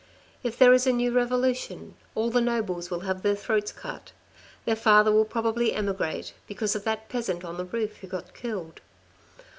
If there is a new revolution, all the nobles will have their throats cut. Their father will probably emigrate, because of that peasant on the roof who got killed.